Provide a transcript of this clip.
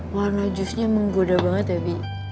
warna jusnya menggoda banget ya bi